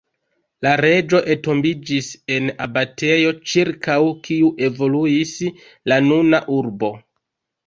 La reĝo entombiĝis en abatejo ĉirkaŭ kiu evoluis la nuna urbo.